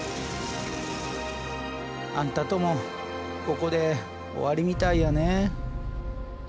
あんたともここで終わりみたいやね。